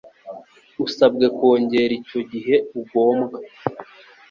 Usabwe Kongera icyo gihe ugombwa